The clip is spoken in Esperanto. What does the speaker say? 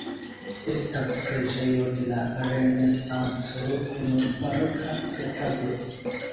Estas preĝejo de la Renesanco kun baroka retablo.